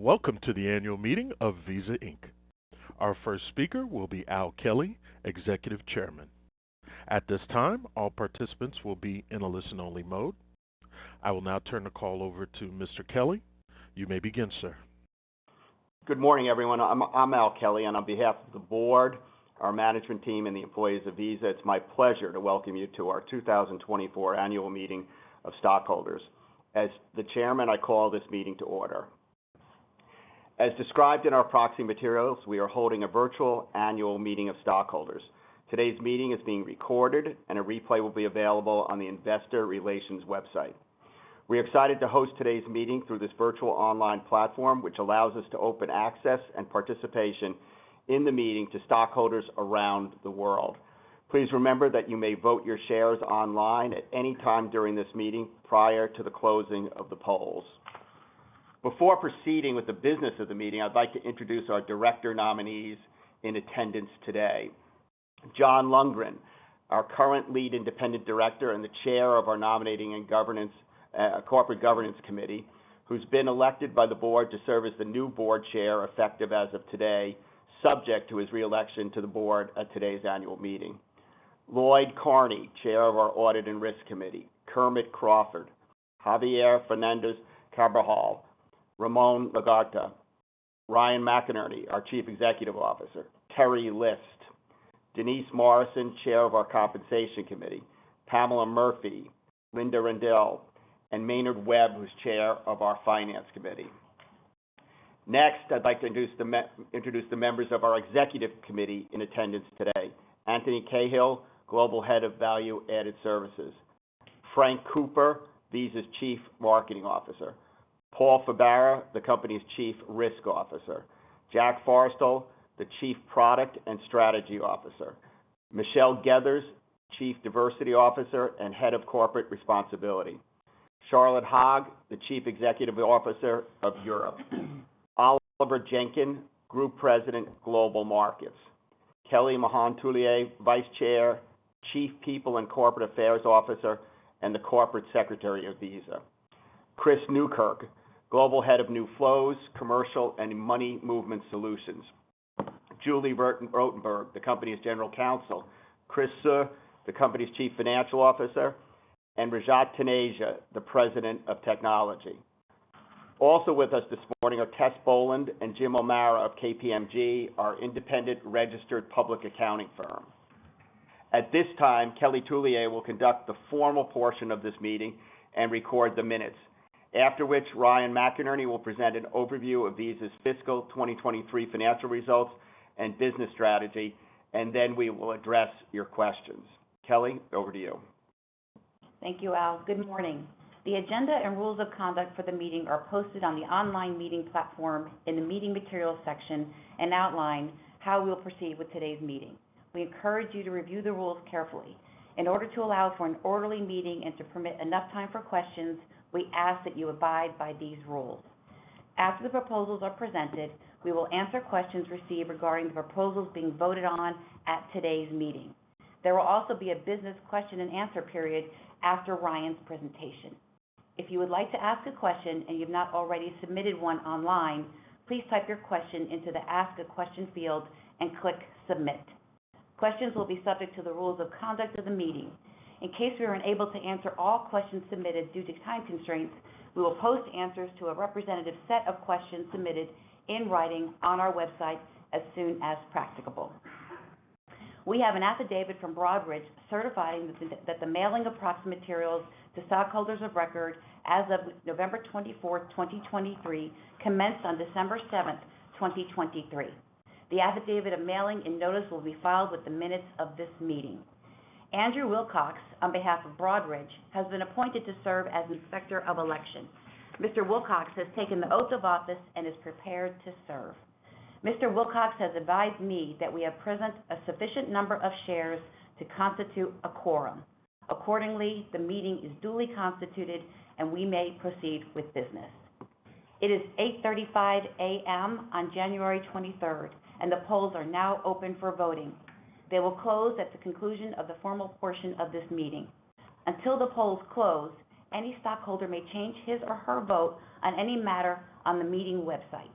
Welcome to the annual meeting of Visa Inc. Our first speaker will be Al Kelly, Executive Chairman. At this time, all participants will be in a listen-only mode. I will now turn the call over to Mr. Kelly. You may begin, sir. Good morning, everyone. I'm Al Kelly, and on behalf of the board, our management team, and the employees of Visa, it's my pleasure to welcome you to our 2024 Annual Meeting of Stockholders. As the chairman, I call this meeting to order. As described in our proxy materials, we are holding a virtual annual meeting of stockholders. Today's meeting is being recorded, and a replay will be available on the Investor Relations website. We're excited to host today's meeting through this virtual online platform, which allows us to open access and participation in the meeting to stockholders around the world. Please remember that you may vote your shares online at any time during this meeting, prior to the closing of the polls. Before proceeding with the business of the meeting, I'd like to introduce our director nominees in attendance today. John Lundgren, our current Lead Independent Director and the Chair of our Nominating and Governance, Corporate Governance Committee, who's been elected by the board to serve as the new Board Chair, effective as of today, subject to his reelection to the board at today's annual meeting. Lloyd Carney, Chair of our Audit and Risk Committee, Kermit Crawford, Javier Fernández-Carbajal, Ramon Laguarta, Ryan McInerney, our Chief Executive Officer, Teri List, Denise Morrison, Chair of our Compensation Committee, Pamela Murphy, Linda Rendle, and Maynard Webb, who's Chair of our Finance Committee. Next, I'd like to introduce the members of our Executive Committee in attendance today. Antony Cahill, Global Head of Value-Added Services. Frank Cooper, Visa's Chief Marketing Officer. Paul Fabara, the company's Chief Risk Officer. Jack Forestell, the Chief Product and Strategy Officer. Michelle Gethers, Chief Diversity Officer and Head of Corporate Responsibility. Charlotte Hogg, the Chief Executive Officer of Europe. Oliver Jenkyn, Group President, Global Markets. Kelly Mahon Tullier, Vice Chair, Chief People and Corporate Affairs Officer, and the Corporate Secretary of Visa. Chris Newkirk, Global Head of New Flows, Commercial, and Money Movement Solutions. Julie Rottenberg, the company's General Counsel. Chris Suh, the company's Chief Financial Officer, and Rajat Taneja, the President of Technology. Also with us this morning are Tess Boland and Jim O'Meara of KPMG, our independent registered public accounting firm. At this time, Kelly Tullier will conduct the formal portion of this meeting and record the minutes. After which, Ryan McInerney will present an overview of Visa's fiscal 2023 financial results and business strategy, and then we will address your questions. Kelly, over to you. Thank you, Al. Good morning. The agenda and rules of conduct for the meeting are posted on the online meeting platform in the Meeting Materials section and outline how we will proceed with today's meeting. We encourage you to review the rules carefully. In order to allow for an orderly meeting and to permit enough time for questions, we ask that you abide by these rules. After the proposals are presented, we will answer questions received regarding the proposals being voted on at today's meeting. There will also be a business question and answer period after Ryan's presentation. If you would like to ask a question and you've not already submitted one online, please type your question into the Ask a Question field and click Submit. Questions will be subject to the rules of conduct of the meeting. In case we are unable to answer all questions submitted due to time constraints, we will post answers to a representative set of questions submitted in writing on our website as soon as practicable. We have an affidavit from Broadridge, certifying that the mailing of proxy materials to stockholders of record as of November 24th, 2023, commenced on December 7th, 2023. The affidavit of mailing and notice will be filed with the minutes of this meeting. Andrew Wilcox, on behalf of Broadridge, has been appointed to serve as Inspector of Election. Mr. Wilcox has taken the oath of office and is prepared to serve. Mr. Wilcox has advised me that we have present a sufficient number of shares to constitute a quorum. Accordingly, the meeting is duly constituted, and we may proceed with business. It is 8:35 A.M. on January 23rd, and the polls are now open for voting. They will close at the conclusion of the formal portion of this meeting. Until the polls close, any stockholder may change his or her vote on any matter on the meeting website.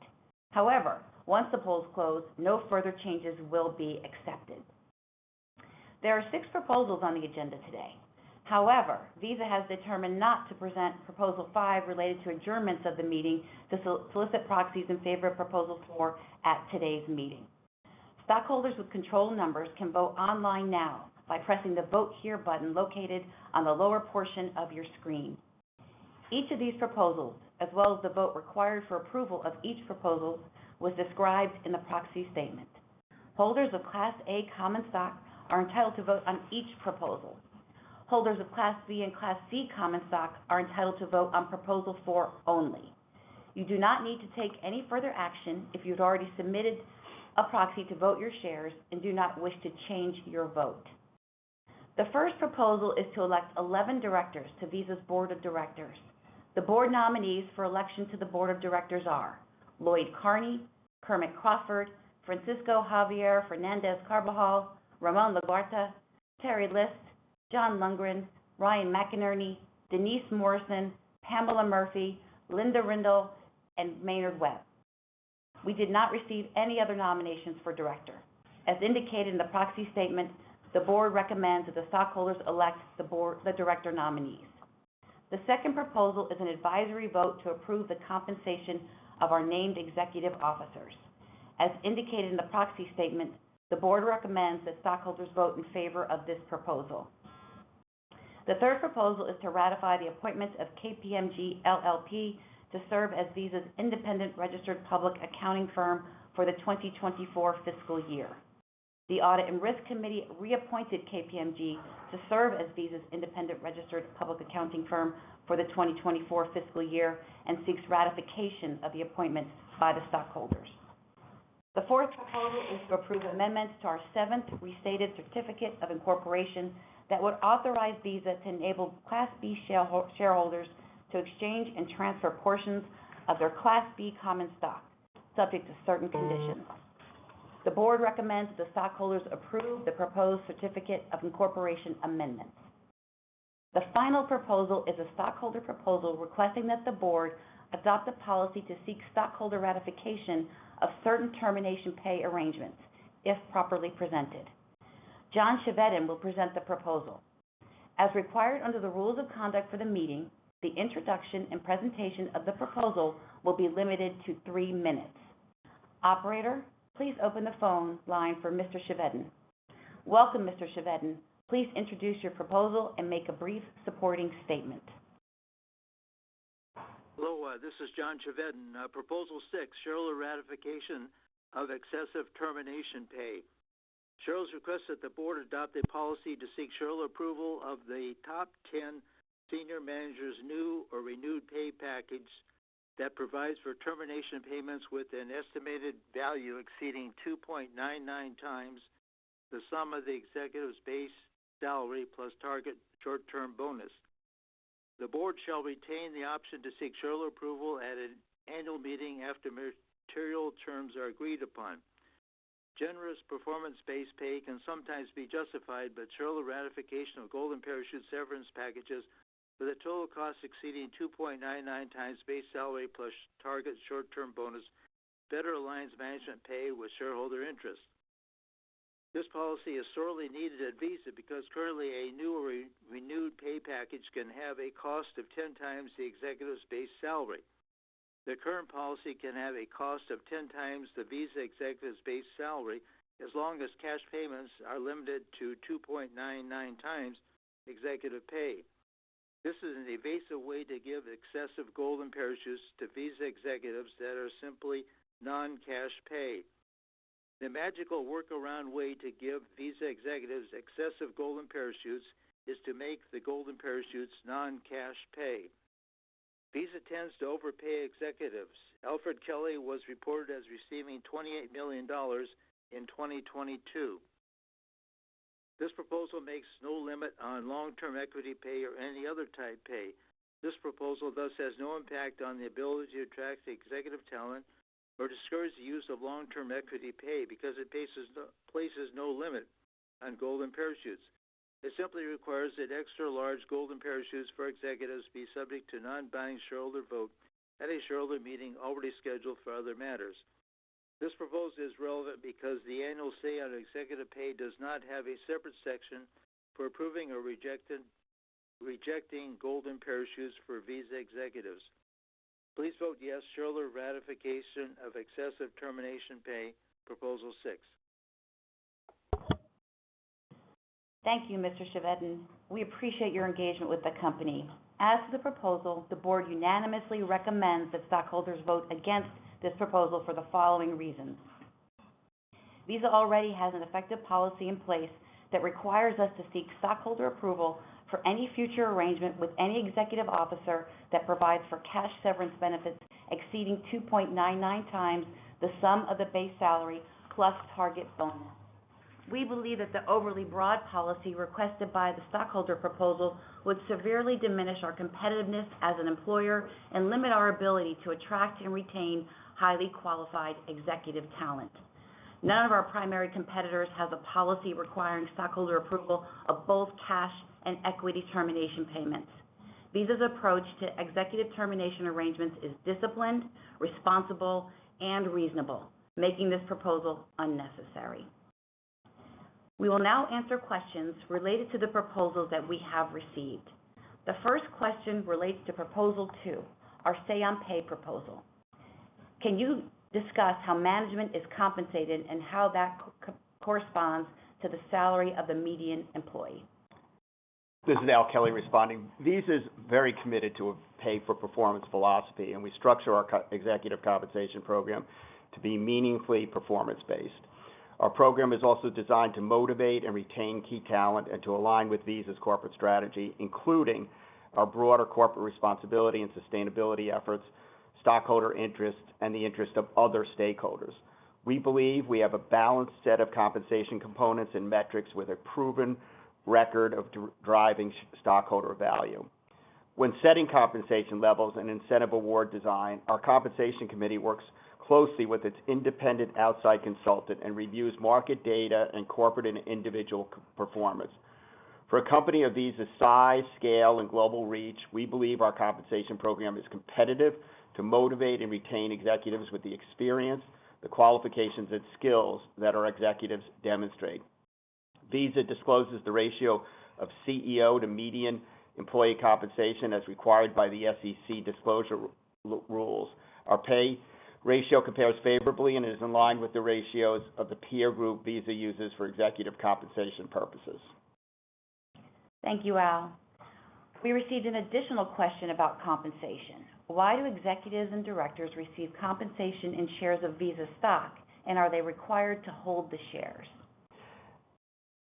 However, once the polls close, no further changes will be accepted. There are six proposals on the agenda today. However, Visa has determined not to present Proposal 5 related to adjournments of the meeting to solicit proxies in favor of Proposal 4 at today's meeting. Stockholders with control numbers can vote online now by pressing the Vote Here button located on the lower portion of your screen. Each of these proposals, as well as the vote required for approval of each proposal, was described in the proxy statement. Holders of Class A common stock are entitled to vote on each proposal. Holders of Class B and Class C common stock are entitled to vote on Proposal 4 only. You do not need to take any further action if you've already submitted a proxy to vote your shares and do not wish to change your vote. The first proposal is to elect 11 directors to Visa's Board of Directors. The board nominees for election to the Board of Directors are Lloyd Carney, Kermit Crawford, Francisco Javier Fernández-Carbajal, Ramon Laguarta, Teri List, John Lundgren, Ryan McInerney, Denise Morrison, Pamela Murphy, Linda Rendle, and Maynard Webb. We did not receive any other nominations for director. As indicated in the proxy statement, the board recommends that the stockholders elect the board, the director nominees. The second proposal is an advisory vote to approve the compensation of our named executive officers. As indicated in the proxy statement, the board recommends that stockholders vote in favor of this proposal. The third proposal is to ratify the appointment of KPMG LLP to serve as Visa's independent registered public accounting firm for the 2024 fiscal year. The Audit and Risk Committee reappointed KPMG to serve as Visa's independent registered public accounting firm for the 2024 fiscal year and seeks ratification of the appointment by the stockholders. The fourth proposal is to approve amendments to our seventh restated Certificate of Incorporation that would authorize Visa to enable Class B shareholders to exchange and transfer portions of their Class B common stock, subject to certain conditions. The board recommends the stockholders approve the proposed Certificate of Incorporation amendments. The final proposal is a stockholder proposal requesting that the board adopt a policy to seek stockholder ratification of certain termination pay arrangements, if properly presented. John Chevedden will present the proposal. As required under the rules of conduct for the meeting, the introduction and presentation of the proposal will be limited to three minutes. Operator, please open the phone line for Mr. Chevedden. Welcome, Mr. Chevedden. Please introduce your proposal and make a brief supporting statement. Hello, this is John Chevedden. Proposal 6, Shareholder Ratification of Excessive Termination Pay. Shareholders request that the board adopt a policy to seek shareholder approval of the top ten senior managers' new or renewed pay package that provides for termination payments with an estimated value exceeding 2.99x the sum of the executive's base salary plus target short-term bonus. The board shall retain the option to seek shareholder approval at an annual meeting after material terms are agreed upon. Generous performance-based pay can sometimes be justified, but shareholder ratification of golden parachute severance packages with a total cost exceeding 2.99x base salary plus target short-term bonus better aligns management pay with shareholder interests. This policy is sorely needed at Visa because currently, a new or renewed pay package can have a cost of 10x the executive's base salary. The current policy can have a cost of 10x the Visa executive's base salary, as long as cash payments are limited to 2.99x executive pay. This is an evasive way to give excessive golden parachutes to Visa executives that are simply non-cash pay. The magical workaround way to give Visa executives excessive golden parachutes is to make the golden parachutes non-cash pay. Visa tends to overpay executives. Alfred Kelly was reported as receiving $28 million in 2022. This proposal makes no limit on long-term equity pay or any other type pay. This proposal, thus, has no impact on the ability to attract executive talent or discourage the use of long-term equity pay because it bases, places no limit on golden parachutes. It simply requires that extra-large golden parachutes for executives be subject to non-binding shareholder vote at a shareholder meeting already scheduled for other matters. This proposal is relevant because the annual say on executive pay does not have a separate section for approving or rejecting golden parachutes for Visa executives. Please vote yes, Shareholder Ratification of Excessive Termination Pay, Proposal 6. Thank you, Mr. Chevedden. We appreciate your engagement with the company. As to the proposal, the board unanimously recommends that stockholders vote against this proposal for the following reasons. Visa already has an effective policy in place that requires us to seek stockholder approval for any future arrangement with any executive officer that provides for cash severance benefits exceeding 2.99x the sum of the base salary plus target bonus. We believe that the overly broad policy requested by the stockholder proposal would severely diminish our competitiveness as an employer and limit our ability to attract and retain highly qualified executive talent. None of our primary competitors have a policy requiring stockholder approval of both cash and equity termination payments. Visa's approach to executive termination arrangements is disciplined, responsible, and reasonable, making this proposal unnecessary. We will now answer questions related to the proposals that we have received. The first question relates to Proposal 2, our Say-on-Pay proposal. Can you discuss how management is compensated and how that corresponds to the salary of the median employee? This is Al Kelly responding. Visa is very committed to a pay-for-performance philosophy, and we structure our executive compensation program to be meaningfully performance-based. Our program is also designed to motivate and retain key talent and to align with Visa's corporate strategy, including our broader corporate responsibility and sustainability efforts, stockholder interests, and the interest of other stakeholders. We believe we have a balanced set of compensation components and metrics with a proven record of driving stockholder value. When setting compensation levels and incentive award design, our compensation committee works closely with its independent outside consultant and reviews market data and corporate and individual performance. For a company of Visa's size, scale, and global reach, we believe our compensation program is competitive to motivate and retain executives with the experience, the qualifications, and skills that our executives demonstrate. Visa discloses the ratio of CEO to median employee compensation as required by the SEC disclosure rules. Our pay ratio compares favorably and is in line with the ratios of the peer group Visa uses for executive compensation purposes. Thank you, Al. We received an additional question about compensation. Why do executives and directors receive compensation in shares of Visa stock, and are they required to hold the shares?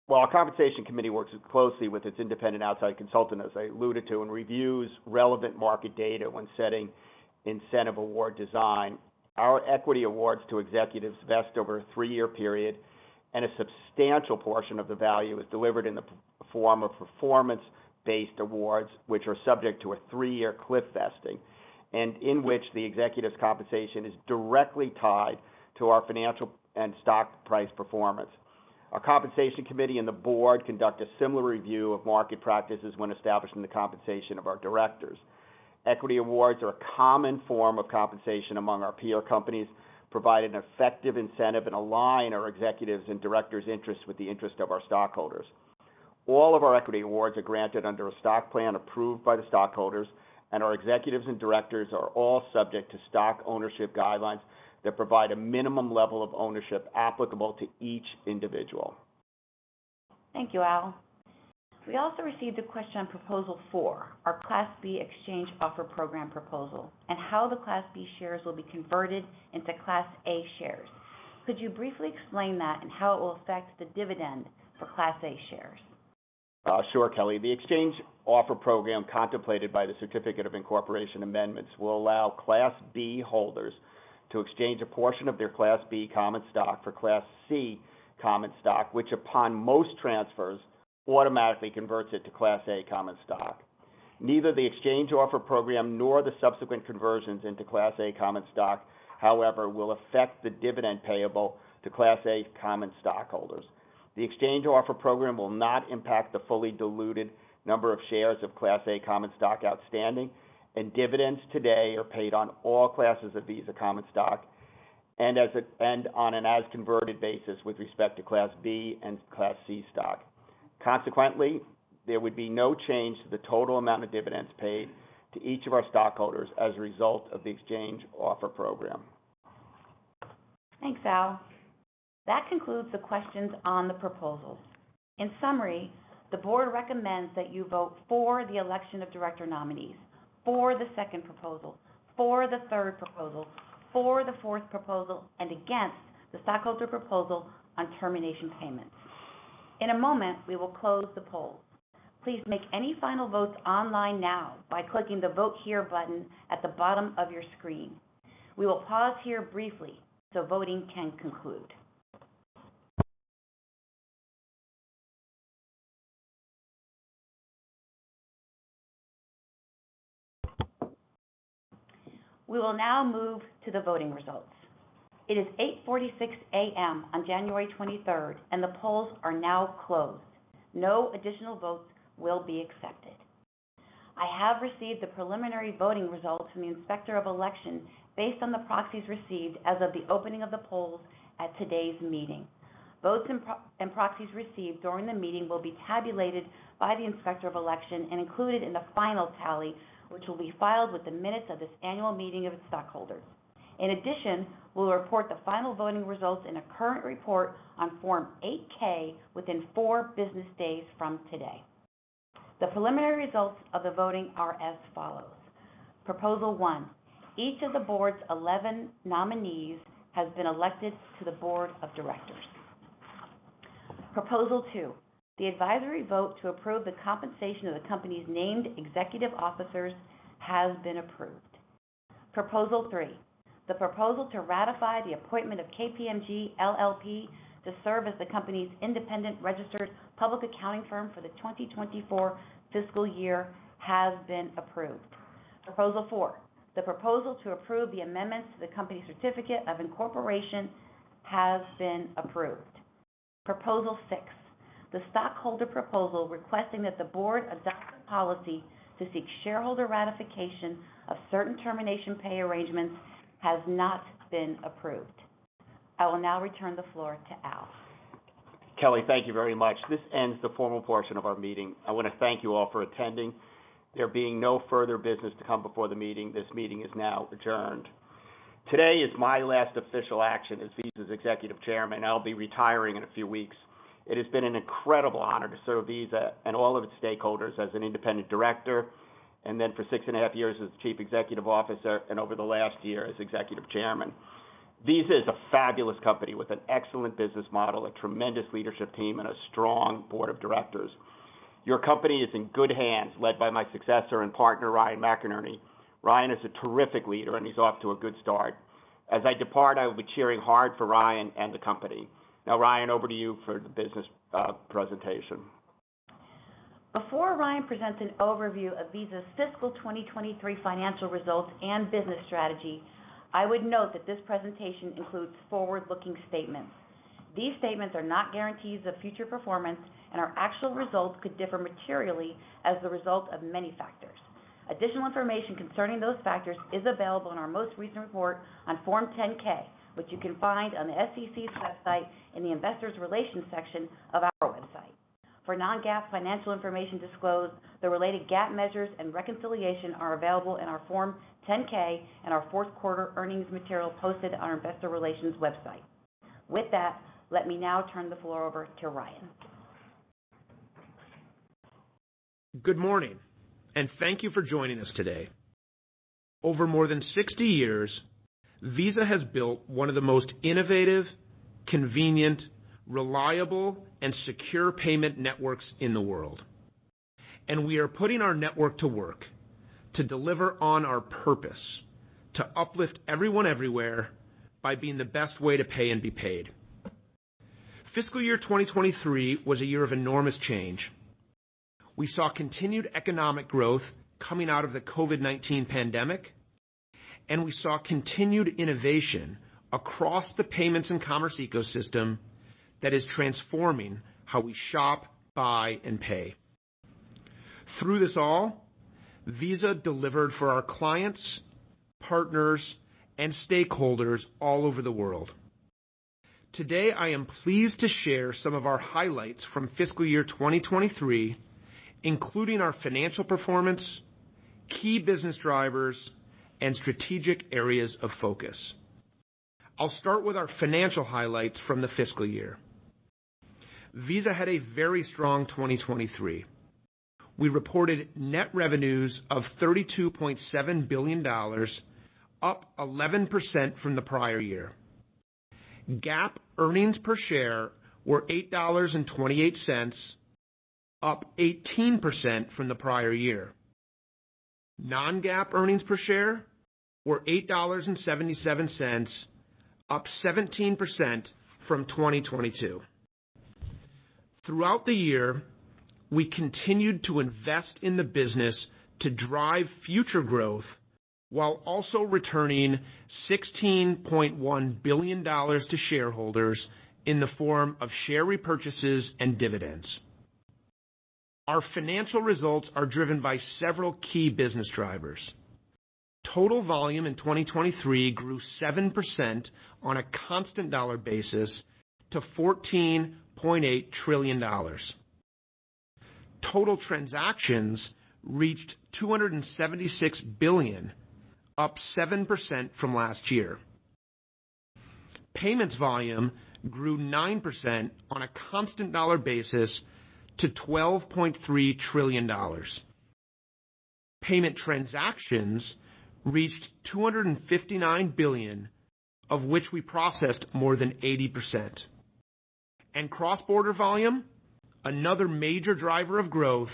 Well, our compensation committee works closely with its independent outside consultant, as I alluded to, and reviews relevant market data when setting incentive award design. Our equity awards to executives vest over a three-year period, and a substantial portion of the value is delivered in the form of performance-based awards, which are subject to a three-year cliff vesting, and in which the executive's compensation is directly tied to our financial and stock price performance. Our compensation committee and the board conduct a similar review of market practices when establishing the compensation of our directors. Equity awards are a common form of compensation among our peer companies, provide an effective incentive, and align our executives' and directors' interests with the interest of our stockholders. All of our equity awards are granted under a stock plan approved by the stockholders, and our executives and directors are all subject to stock ownership guidelines that provide a minimum level of ownership applicable to each individual. Thank you, Al. We also received a question on Proposal 4, our Class B exchange offer program proposal, and how the Class B shares will be converted into Class A shares. Could you briefly explain that and how it will affect the dividend for Class A shares? Sure, Kelly. The exchange offer program contemplated by the Certificate of Incorporation amendments will allow Class B holders to exchange a portion of their Class B common stock for Class C common stock, which upon most transfers, automatically converts it to Class A common stock. Neither the exchange offer program nor the subsequent conversions into Class A common stock, however, will affect the dividend payable to Class A common stockholders. The exchange offer program will not impact the fully diluted number of shares of Class A common stock outstanding, and dividends today are paid on all classes of Visa common stock, and on an as-converted basis with respect to Class B and Class C stock. Consequently, there would be no change to the total amount of dividends paid to each of our stockholders as a result of the exchange offer program. Thanks, Al. That concludes the questions on the proposals. In summary, the board recommends that you vote for the election of director nominees, for the second proposal, for the third proposal, for the fourth proposal, and against the stockholder proposal on termination payments. In a moment, we will close the poll. Please make any final votes online now by clicking the Vote Here button at the bottom of your screen. We will pause here briefly so voting can conclude. We will now move to the voting results. It is 8:46 A.M. on January 23, and the polls are now closed. No additional votes will be accepted. I have received the preliminary voting results from the Inspector of Election based on the proxies received as of the opening of the polls at today's meeting. Votes and proxies received during the meeting will be tabulated by the Inspector of Election and included in the final tally, which will be filed with the minutes of this annual meeting of the stockholders. In addition, we'll report the final voting results in a current report on Form 8-K within 4 business days from today. The preliminary results of the voting are as follows: Proposal 1, each of the board's 11 nominees has been elected to the board of directors. Proposal 2, the advisory vote to approve the compensation of the company's named executive officers has been approved. Proposal 3, the proposal to ratify the appointment of KPMG LLP to serve as the company's independent registered public accounting firm for the 2024 fiscal year has been approved. Proposal 4, the proposal to approve the amendments to the company's certificate of incorporation has been approved. Proposal 6, the stockholder proposal requesting that the board adopt a policy to seek shareholder ratification of certain termination pay arrangements has not been approved. I will now return the floor to Al. Kelly, thank you very much. This ends the formal portion of our meeting. I want to thank you all for attending. There being no further business to come before the meeting, this meeting is now adjourned. Today is my last official action as Visa's Executive Chairman. I'll be retiring in a few weeks. It has been an incredible honor to serve Visa and all of its stakeholders as an independent director, and then for six and a half years as Chief Executive Officer, and over the last year as Executive Chairman. Visa is a fabulous company with an excellent business model, a tremendous leadership team, and a strong board of directors. Your company is in good hands, led by my successor and partner, Ryan McInerney. Ryan is a terrific leader, and he's off to a good start. As I depart, I will be cheering hard for Ryan and the company. Now, Ryan, over to you for the business presentation. Before Ryan presents an overview of Visa's fiscal 2023 financial results and business strategy, I would note that this presentation includes forward-looking statements. These statements are not guarantees of future performance, and our actual results could differ materially as a result of many factors. Additional information concerning those factors is available in our most recent report on Form 10-K, which you can find on the SEC's website in the Investor Relations section of our website. For non-GAAP financial information disclosed, the related GAAP measures and reconciliation are available in our Form 10-K and our fourth quarter earnings material posted on our Investor Relations website. With that, let me now turn the floor over to Ryan. Good morning, and thank you for joining us today. Over more than 60 years, Visa has built one of the most innovative, convenient, reliable, and secure payment networks in the world, and we are putting our network to work to deliver on our purpose to uplift everyone, everywhere, by being the best way to pay and be paid. Fiscal year 2023 was a year of enormous change. We saw continued economic growth coming out of the COVID-19 pandemic, and we saw continued innovation across the payments and commerce ecosystem that is transforming how we shop, buy, and pay. Through this all, Visa delivered for our clients, partners, and stakeholders all over the world. Today, I am pleased to share some of our highlights from fiscal year 2023, including our financial performance, key business drivers, and strategic areas of focus. I'll start with our financial highlights from the fiscal year. Visa had a very strong 2023. We reported net revenues of $32.7 billion, up 11% from the prior year. GAAP earnings per share were $8.28, up 18% from the prior year. Non-GAAP earnings per share were $8.77, up 17% from 2022. Throughout the year, we continued to invest in the business to drive future growth, while also returning $16.1 billion to shareholders in the form of share repurchases and dividends. Our financial results are driven by several key business drivers. Total volume in 2023 grew 7% on a constant dollar basis to $14.8 trillion. Total transactions reached 276 billion, up 7% from last year. Payments volume grew 9% on a constant dollar basis to $12.3 trillion. Payment transactions reached 259 billion, of which we processed more than 80%. Cross-border volume, another major driver of growth,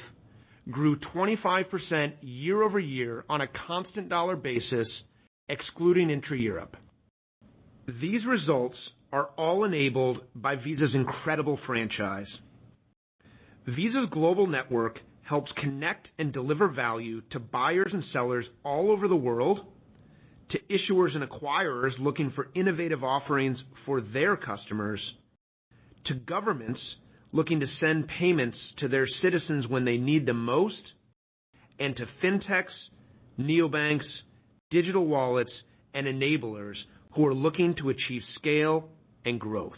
grew 25% year-over-year on a constant dollar basis, excluding intra-Europe. These results are all enabled by Visa's incredible franchise. Visa's global network helps connect and deliver value to buyers and sellers all over the world, to issuers and acquirers looking for innovative offerings for their customers, to governments looking to send payments to their citizens when they need the most, and to fintechs, neobanks, digital wallets, and enablers who are looking to achieve scale and growth.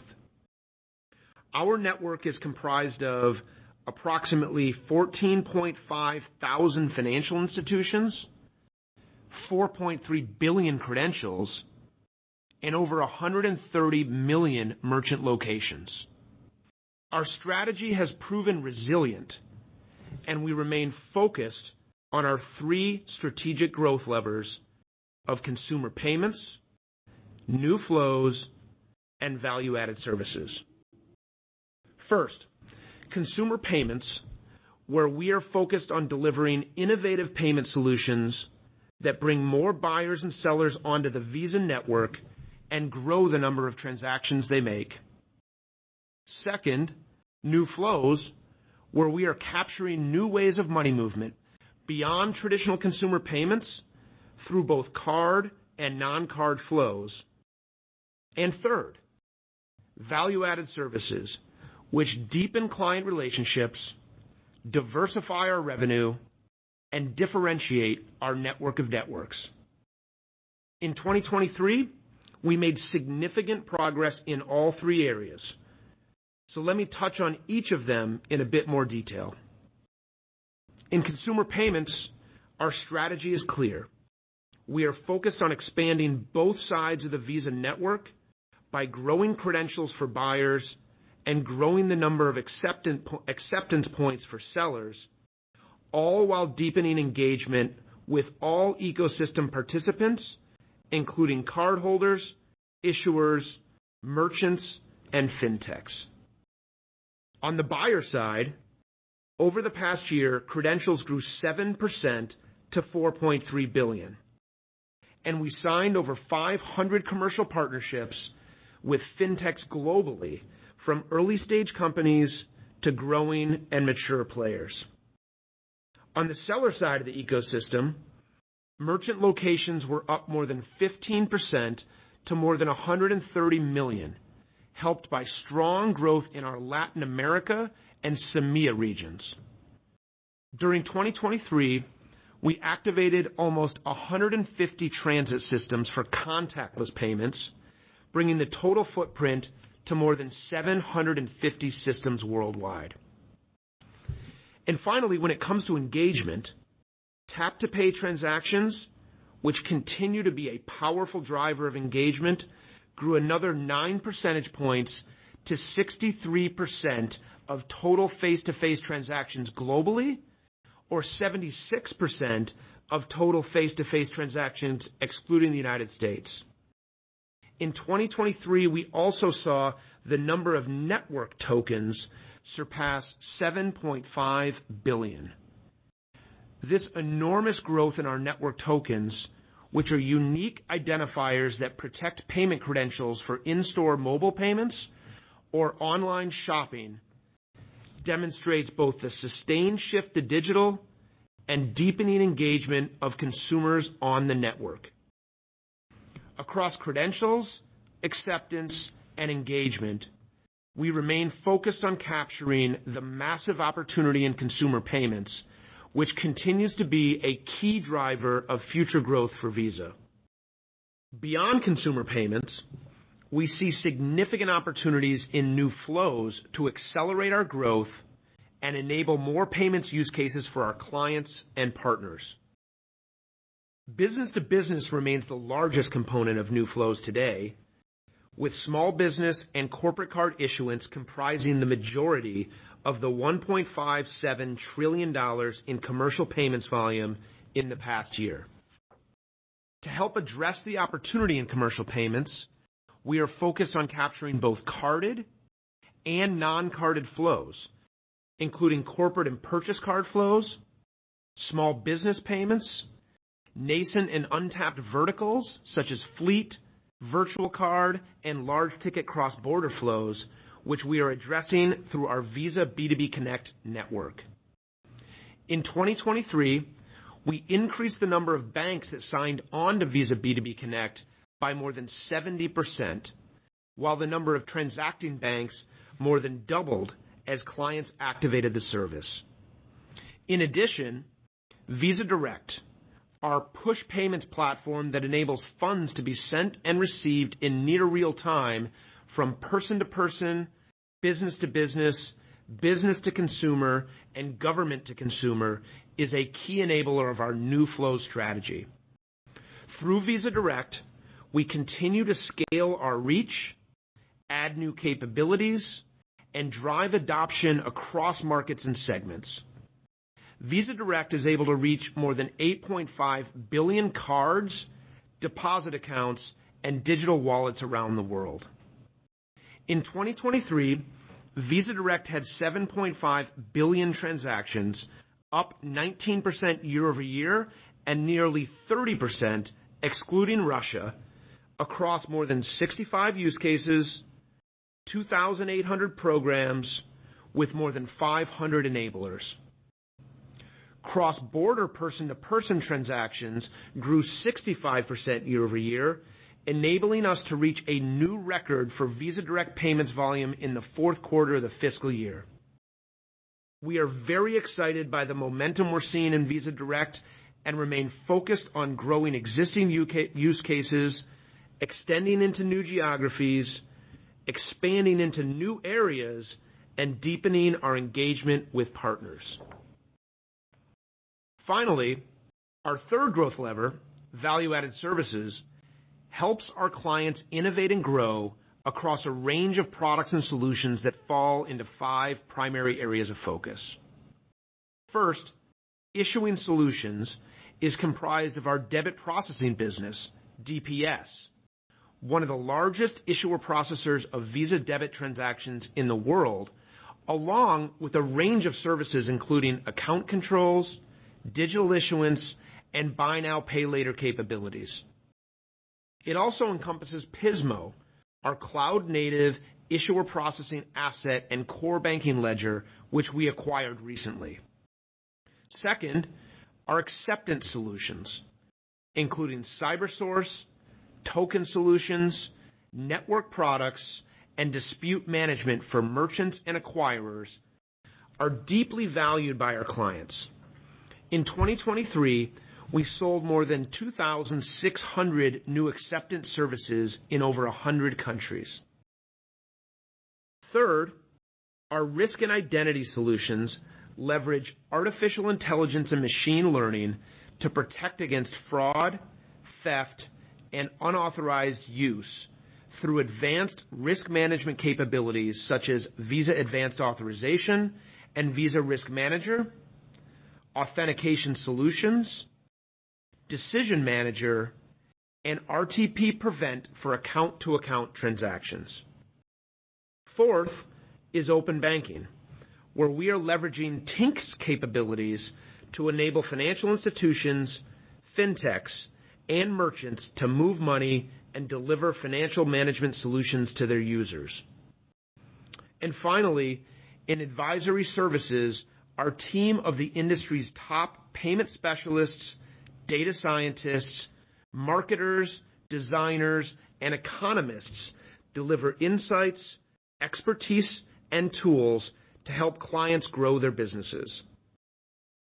Our network is comprised of approximately 14,500 financial institutions, 4.3 billion credentials, and over 130 million merchant locations. Our strategy has proven resilient, and we remain focused on our three strategic growth levers of consumer payments, new flows, and value-added services. First, consumer payments, where we are focused on delivering innovative payment solutions that bring more buyers and sellers onto the Visa network and grow the number of transactions they make. Second, new flows, where we are capturing new ways of money movement beyond traditional consumer payments through both card and non-card flows. And third, value-added services, which deepen client relationships, diversify our revenue, and differentiate our network of networks. In 2023, we made significant progress in all three areas, so let me touch on each of them in a bit more detail. In consumer payments, our strategy is clear. We are focused on expanding both sides of the Visa network by growing credentials for buyers and growing the number of acceptances, acceptance points for sellers, all while deepening engagement with all ecosystem participants, including cardholders, issuers, merchants, and fintechs. On the buyer side, over the past year, credentials grew 7% to 4.3 billion... and we signed over 500 commercial partnerships with fintechs globally, from early-stage companies to growing and mature players. On the seller side of the ecosystem, merchant locations were up more than 15% to more than 130 million, helped by strong growth in our Latin America and CEMEA regions. During 2023, we activated almost 150 transit systems for contactless payments, bringing the total footprint to more than 750 systems worldwide. And finally, when it comes to engagement, tap-to-pay transactions, which continue to be a powerful driver of engagement, grew another 9 percentage points to 63% of total face-to-face transactions globally, or 76% of total face-to-face transactions, excluding the United States. In 2023, we also saw the number of network tokens surpass 7.5 billion. This enormous growth in our network tokens, which are unique identifiers that protect payment credentials for in-store mobile payments or online shopping, demonstrates both the sustained shift to digital and deepening engagement of consumers on the network. Across credentials, acceptance, and engagement, we remain focused on capturing the massive opportunity in consumer payments, which continues to be a key driver of future growth for Visa. Beyond consumer payments, we see significant opportunities in new flows to accelerate our growth and enable more payments use cases for our clients and partners. Business-to-business remains the largest component of new flows today, with small business and corporate card issuance comprising the majority of the $1.57 trillion in commercial payments volume in the past year. To help address the opportunity in commercial payments, we are focused on capturing both carded and non-carded flows, including corporate and purchase card flows, small business payments, nascent and untapped verticals such as fleet, virtual card, and large ticket cross-border flows, which we are addressing through our Visa B2B Connect network. In 2023, we increased the number of banks that signed on to Visa B2B Connect by more than 70%, while the number of transacting banks more than doubled as clients activated the service. In addition, Visa Direct, our push payments platform that enables funds to be sent and received in near real time from person to person, business to business, business to consumer, and government to consumer, is a key enabler of our new flow strategy. Through Visa Direct, we continue to scale our reach, add new capabilities, and drive adoption across markets and segments. Visa Direct is able to reach more than 8.5 billion cards, deposit accounts, and digital wallets around the world. In 2023, Visa Direct had 7.5 billion transactions, up 19% year-over-year, and nearly 30%, excluding Russia, across more than 65 use cases, 2,800 programs, with more than 500 enablers. Cross-border person-to-person transactions grew 65% year-over-year, enabling us to reach a new record for Visa Direct payments volume in the fourth quarter of the fiscal year. We are very excited by the momentum we're seeing in Visa Direct and remain focused on growing existing use cases, extending into new geographies, expanding into new areas, and deepening our engagement with partners. Finally, our third growth lever, value-added services, helps our clients innovate and grow across a range of products and solutions that fall into five primary areas of focus. First, issuing solutions is comprised of our debit processing business, DPS, one of the largest issuer processors of Visa debit transactions in the world, along with a range of services including account controls, digital issuance, and buy now, pay later capabilities. It also encompasses Pismo, our cloud-native issuer processing asset, and core banking ledger, which we acquired recently. Second, our acceptance solutions, including Cybersource, token solutions, network products, and dispute management for merchants and acquirers, are deeply valued by our clients. In 2023, we sold more than 2,600 new acceptance services in over 100 countries. Third, our risk and identity solutions leverage artificial intelligence and machine learning to protect against fraud, theft, and unauthorized use through advanced risk management capabilities such as Visa Advanced Authorization and Visa Risk Manager, Authentication Solutions, Decision Manager, and RTP Prevent for account-to-account transactions. Fourth is open banking, where we are leveraging Tink's capabilities to enable financial institutions, fintechs, and merchants to move money and deliver financial management solutions to their users. And finally, in advisory services, our team of the industry's top payment specialists, data scientists, marketers, designers, and economists deliver insights, expertise, and tools to help clients grow their businesses.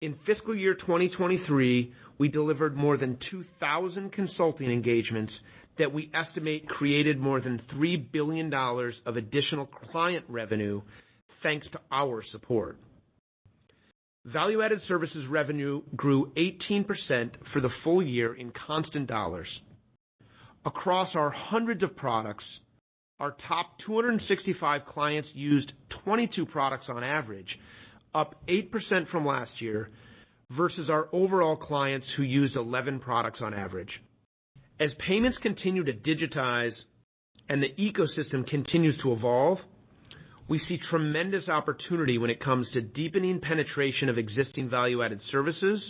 In fiscal year 2023, we delivered more than 2,000 consulting engagements that we estimate created more than $3 billion of additional client revenue, thanks to our support. Value-added services revenue grew 18% for the full year in constant dollars. Across our hundreds of products, our top 265 clients used 22 products on average, up 8% from last year, versus our overall clients, who use 11 products on average. As payments continue to digitize and the ecosystem continues to evolve, we see tremendous opportunity when it comes to deepening penetration of existing value-added services,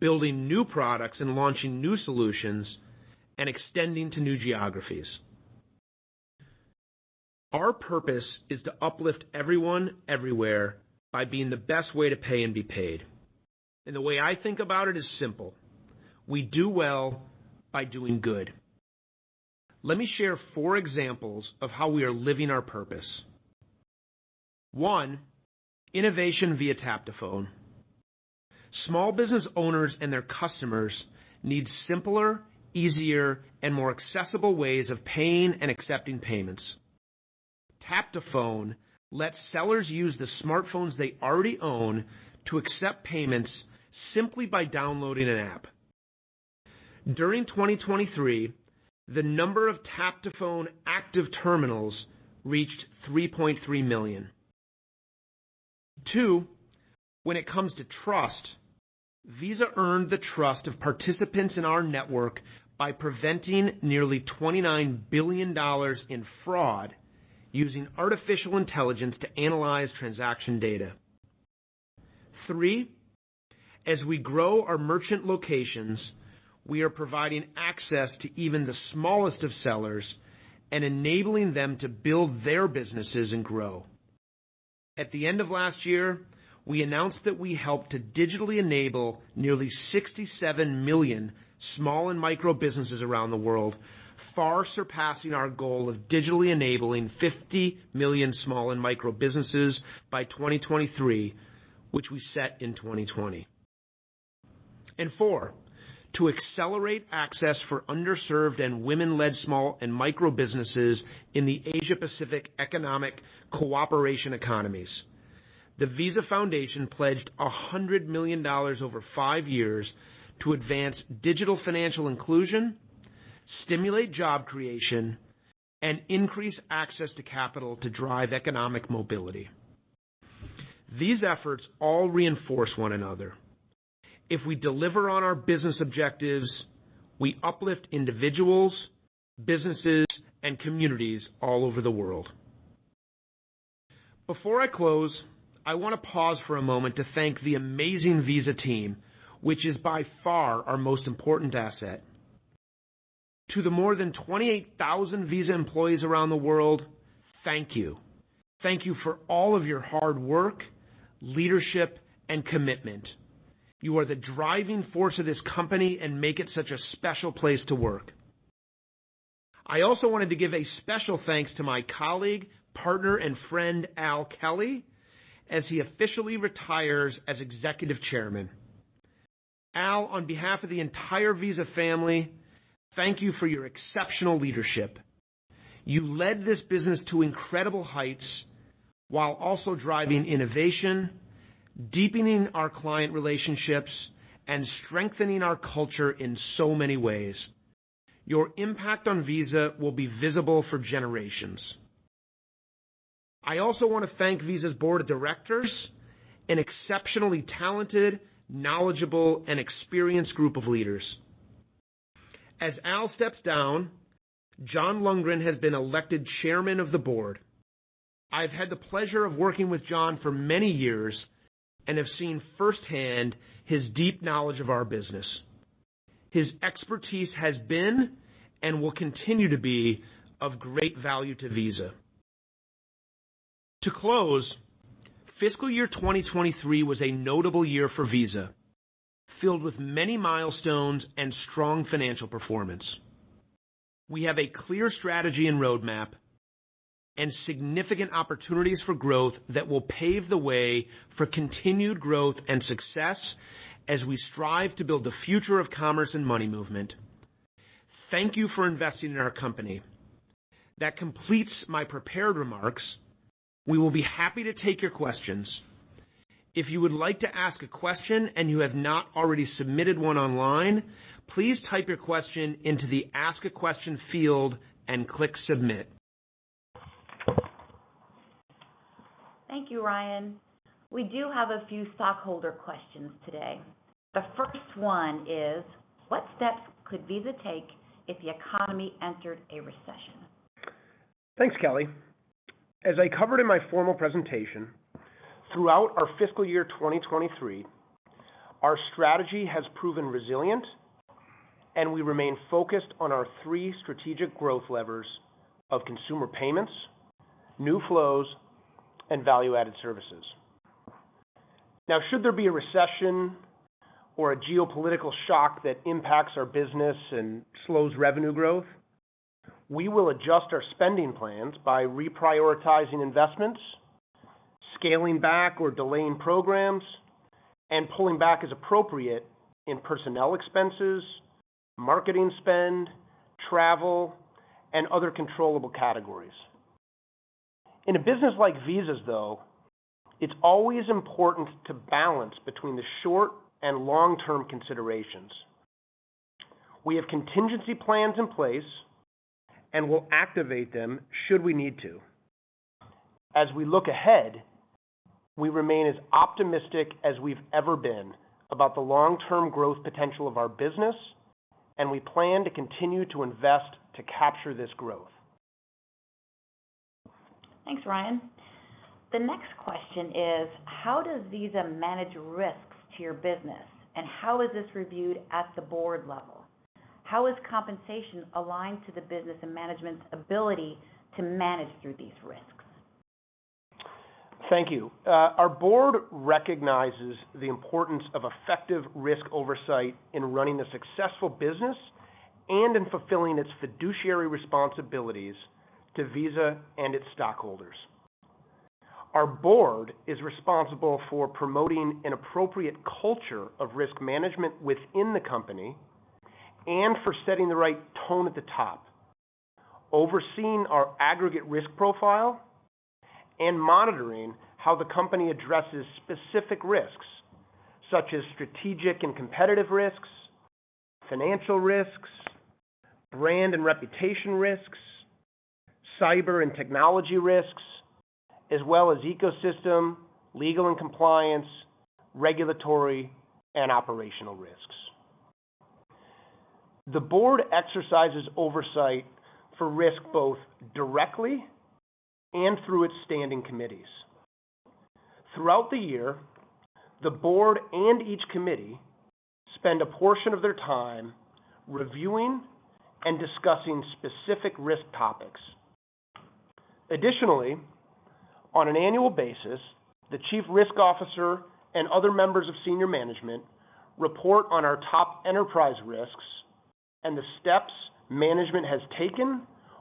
building new products and launching new solutions, and extending to new geographies. Our purpose is to uplift everyone, everywhere by being the best way to pay and be paid, and the way I think about it is simple: We do well by doing good. Let me share four examples of how we are living our purpose. One, innovation via Tap to Phone. Small business owners and their customers need simpler, easier, and more accessible ways of paying and accepting payments. Tap to Phone lets sellers use the smartphones they already own to accept payments simply by downloading an app. During 2023, the number of Tap to Phone active terminals reached 3.3 million. Two, when it comes to trust, Visa earned the trust of participants in our network by preventing nearly $29 billion in fraud, using artificial intelligence to analyze transaction data. Three, as we grow our merchant locations, we are providing access to even the smallest of sellers and enabling them to build their businesses and grow. At the end of last year, we announced that we helped to digitally enable nearly 67 million small and micro businesses around the world, far surpassing our goal of digitally enabling 50 million small and micro businesses by 2023, which we set in 2020. And four, to accelerate access for underserved and women-led small and micro businesses in the Asia-Pacific Economic Cooperation economies, the Visa Foundation pledged $100 million over five years to advance digital financial inclusion, stimulate job creation, and increase access to capital to drive economic mobility. These efforts all reinforce one another. If we deliver on our business objectives, we uplift individuals, businesses, and communities all over the world. Before I close, I want to pause for a moment to thank the amazing Visa team, which is by far our most important asset. To the more than 28,000 Visa employees around the world, thank you. Thank you for all of your hard work, leadership, and commitment. You are the driving force of this company and make it such a special place to work. I also wanted to give a special thanks to my colleague, partner, and friend, Al Kelly, as he officially retires as executive chairman. Al, on behalf of the entire Visa family, thank you for your exceptional leadership. You led this business to incredible heights while also driving innovation, deepening our client relationships, and strengthening our culture in so many ways. Your impact on Visa will be visible for generations. I also want to thank Visa's board of directors, an exceptionally talented, knowledgeable, and experienced group of leaders. As Al steps down, John Lundgren has been elected Chairman of the Board. I've had the pleasure of working with John for many years and have seen firsthand his deep knowledge of our business. His expertise has been and will continue to be of great value to Visa. To close, fiscal year 2023 was a notable year for Visa, filled with many milestones and strong financial performance. We have a clear strategy and roadmap and significant opportunities for growth that will pave the way for continued growth and success as we strive to build the future of commerce and money movement. Thank you for investing in our company. That completes my prepared remarks. We will be happy to take your questions. If you would like to ask a question and you have not already submitted one online, please type your question into the Ask a Question field and click Submit. Thank you, Ryan. We do have a few stockholder questions today. The first one is: What steps could Visa take if the economy entered a recession? Thanks, Kelly. As I covered in my formal presentation, throughout our fiscal year 2023, our strategy has proven resilient, and we remain focused on our three strategic growth levers of consumer payments, new flows, and value-added services. Now, should there be a recession or a geopolitical shock that impacts our business and slows revenue growth, we will adjust our spending plans by reprioritizing investments, scaling back or delaying programs, and pulling back as appropriate in personnel expenses, marketing spend, travel, and other controllable categories. In a business like Visa's, though, it's always important to balance between the short and long-term considerations. We have contingency plans in place and will activate them should we need to. As we look ahead, we remain as optimistic as we've ever been about the long-term growth potential of our business, and we plan to continue to invest to capture this growth. Thanks, Ryan. The next question is: How does Visa manage risks to your business, and how is this reviewed at the board level? How is compensation aligned to the business and management's ability to manage through these risks? Thank you. Our board recognizes the importance of effective risk oversight in running a successful business and in fulfilling its fiduciary responsibilities to Visa and its stockholders. Our board is responsible for promoting an appropriate culture of risk management within the company and for setting the right tone at the top, overseeing our aggregate risk profile, and monitoring how the company addresses specific risks, such as strategic and competitive risks, financial risks, brand and reputation risks, cyber and technology risks, as well as ecosystem, legal and compliance, regulatory, and operational risks. The board exercises oversight for risk, both directly and through its standing committees. Throughout the year, the board and each committee spend a portion of their time reviewing and discussing specific risk topics. Additionally, on an annual basis, the Chief Risk Officer and other members of senior management report on our top enterprise risks and the steps management have taken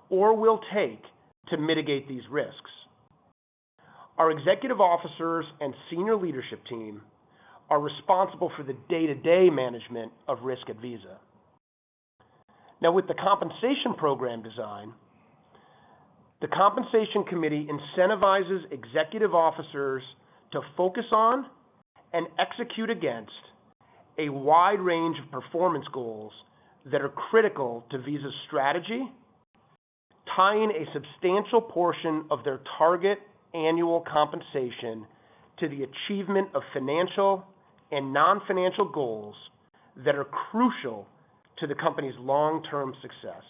or will take to mitigate these risks. Our executive officers and senior leadership team are responsible for the day-to-day management of risk at Visa. Now, with the compensation program design, the Compensation Committee incentivizes executive officers to focus on and execute against a wide range of performance goals that are critical to Visa's strategy, tying a substantial portion of their target annual compensation to the achievement of financial and non-financial goals that are crucial to the company's long-term success.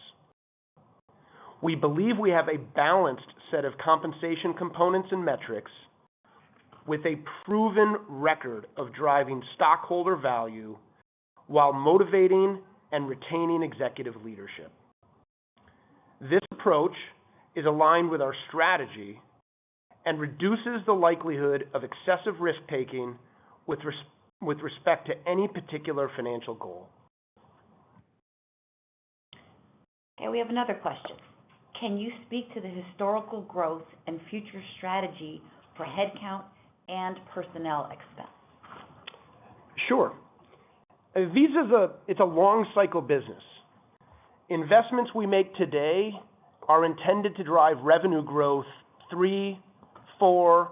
We believe we have a balanced set of compensation components and metrics with a proven record of driving stockholder value while motivating and retaining executive leadership. This approach is aligned with our strategy and reduces the likelihood of excessive risk-taking with respect to any particular financial goal. Okay, we have another question: Can you speak to the historical growth and future strategy for headcount and personnel expense? Sure. Visa is a. It's a long cycle business. Investments we make today are intended to drive revenue growth three, four,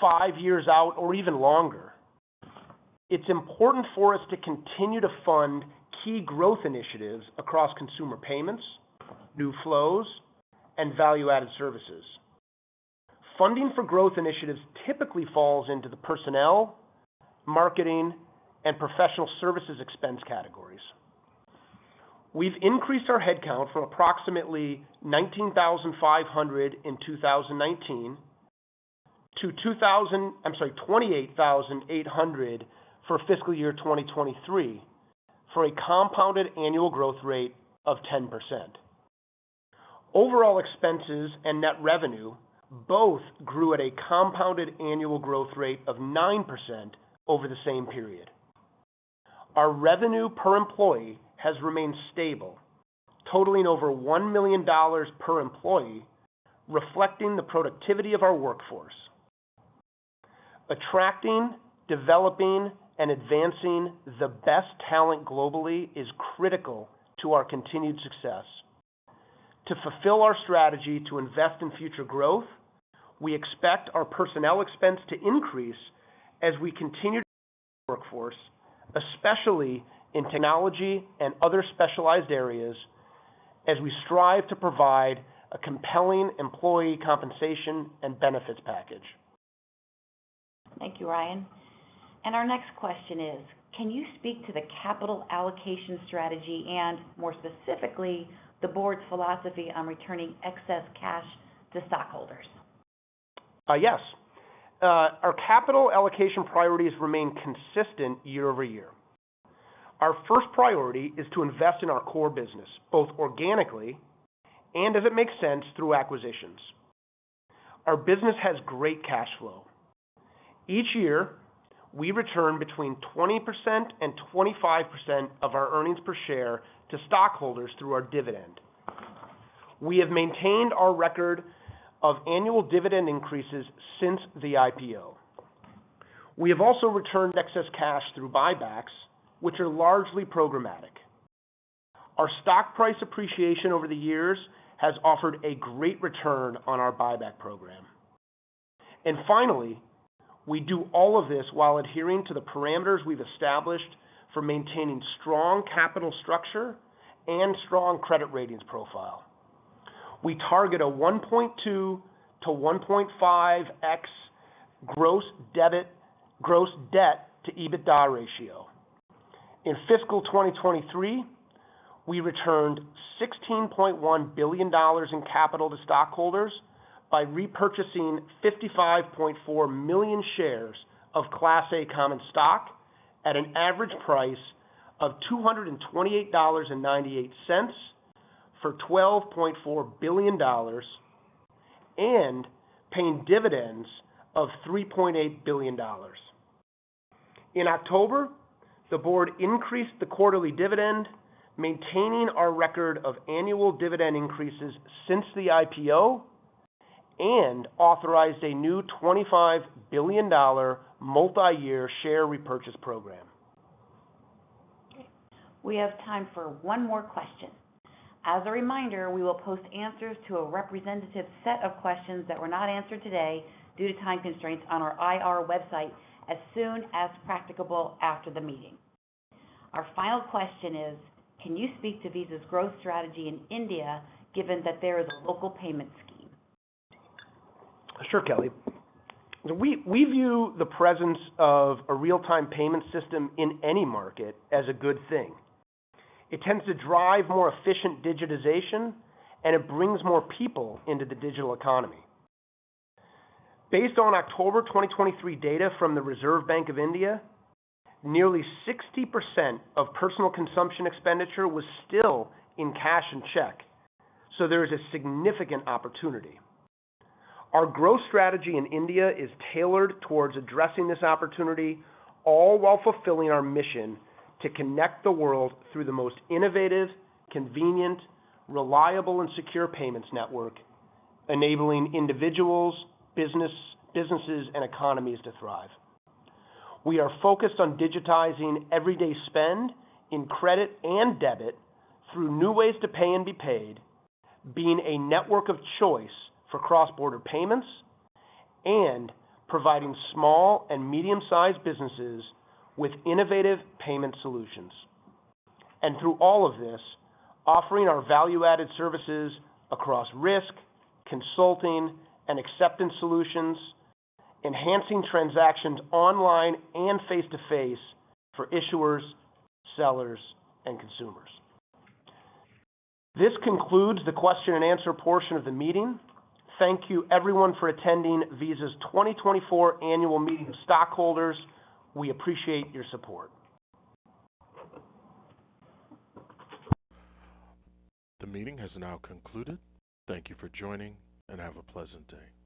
five years out, or even longer. It's important for us to continue to fund key growth initiatives across consumer payments, new flows, and value-added services. Funding for growth initiatives typically falls into the personnel, marketing, and professional services expense categories. We've increased our headcount from approximately 19,500 in 2019 to—I'm sorry—28,800 for fiscal year 2023, for a compounded annual growth rate of 10%. Overall expenses and net revenue both grew at a compounded annual growth rate of 9% over the same period. Our revenue per employee has remained stable, totaling over $1 million per employee, reflecting the productivity of our workforce. Attracting, developing, and advancing the best talent globally is critical to our continued success. To fulfill our strategy to invest in future growth, we expect our personnel expense to increase as we continue to grow our workforce, especially in technology and other specialized areas as we strive to provide a compelling employee compensation and benefits package. Thank you, Ryan. Our next question is: can you speak to the capital allocation strategy and more specifically, the board's philosophy on returning excess cash to stockholders? Our capital allocation priorities remain consistent year-over-year. Our first priority is to invest in our core business, both organically and, if it makes sense, through acquisitions. Our business has great cash flow. Each year, we return between 20% and 25% of our earnings per share to stockholders through our dividend. We have maintained our record of annual dividend increases since the IPO. We have also returned excess cash through buybacks, which are largely programmatic. Our stock price appreciation over the years has offered a great return on our buyback program. And finally, we do all of this while adhering to the parameters we've established for maintaining strong capital structure and strong credit ratings profile. We target a 1.2x-1.5x gross debt to EBITDA ratio. In fiscal 2023, we returned $16.1 billion in capital to stockholders by repurchasing 55.4 million shares of Class A common stock at an average price of $228.98 for $12.4 billion and paying dividends of $3.8 billion. In October, the board increased the quarterly dividend, maintaining our record of annual dividend increases since the IPO, and authorized a new $25 billion multi-year share repurchase program. We have time for one more question. As a reminder, we will post answers to a representative set of questions that were not answered today due to time constraints on our IR website as soon as practicable after the meeting. Our final question is: Can you speak to Visa's growth strategy in India, given that there is a local payment scheme? Sure, Kelly. We view the presence of a real-time payment system in any market as a good thing. It tends to drive more efficient digitization, and it brings more people into the digital economy. Based on October 2023 data from the Reserve Bank of India, nearly 60% of personal consumption expenditure was still in cash and check, so there is a significant opportunity. Our growth strategy in India is tailored towards addressing this opportunity, all while fulfilling our mission to connect the world through the most innovative, convenient, reliable, and secure payments network, enabling individuals, businesses, and economies to thrive. We are focused on digitizing everyday spend in credit and debit through new ways to pay and be paid, being a network of choice for cross-border payments and providing small and medium-sized businesses with innovative payment solutions. Through all of this, offering our value-added services across risk, consulting, and acceptance solutions, enhancing transactions online and face-to-face for issuers, sellers, and consumers. This concludes the Q&A portion of the meeting. Thank you everyone for attending Visa's 2024 Annual Meeting of Stockholders. We appreciate your support. The meeting has now concluded. Thank you for joining and have a pleasant day.